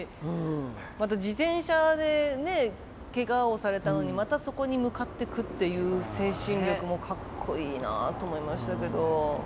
また自転車でケガをされたのにまたそこに向かってくっていう精神力もカッコいいなと思いましたけど。